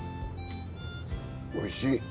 おいしい。